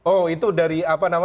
oh itu dari apa namanya